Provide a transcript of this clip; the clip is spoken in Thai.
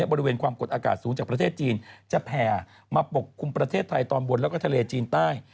บริเวณความกดอากาศสูงจากประเทศจีนจะแผ่มาปกคลุมประเทศไทยตอนบนแล้วก็ทะเลจีนใต้